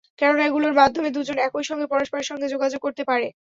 কেননা, এগুলোর মাধ্যমে দুজন একই সঙ্গে পরস্পরের সঙ্গে যোগাযোগ করতে পারে।